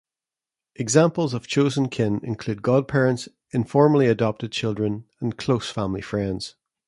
Examples of chosen kin include godparents, informally adopted children, and close family friends.